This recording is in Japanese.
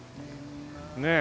ねえ。